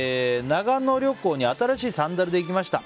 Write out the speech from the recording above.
長野旅行に新しいサンダルで行きました。